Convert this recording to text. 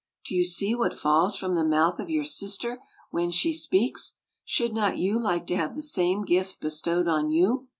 Do you see what falls from the mouth of your sister when she speaks? Should not you like to have the same gift bestowed on you?